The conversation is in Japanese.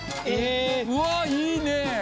うわいいねえ！